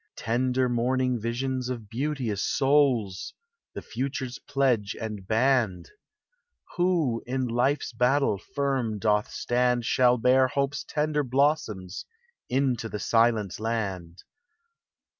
Tender morning visions Of beauteous souls! The future's pledge and band ! Who in life's battle firm doth stand Shall bear hope's tender blossoms Into the Silent Land!